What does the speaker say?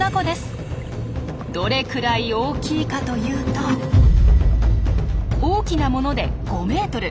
どれくらい大きいかというと大きなもので５ｍ。